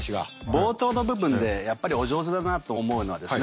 冒頭の部分でやっぱりお上手だなと思うのはですね